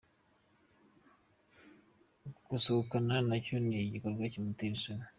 Kugusohokana nacyo ni igikorwa kimutera isoni.